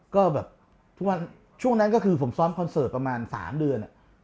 ก็แบบทุกวันช่วงนั้นก็คือผมซ้อมคอนเสิร์ตประมาณ๓เดือน